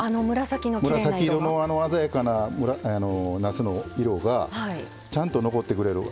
紫色のあの鮮やかななすの色がちゃんと残ってくれる。